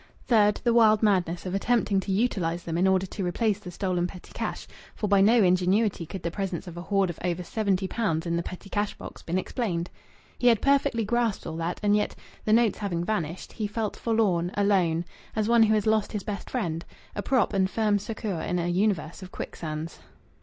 Third, the wild madness of attempting to utilize them in order to replace the stolen petty cash, for by no ingenuity could the presence of a hoard of over seventy pounds in the petty cash box have been explained. He had perfectly grasped all that; and yet, the notes having vanished, he felt forlorn, alone, as one who has lost his best friend a prop and firm succour in a universe of quicksands.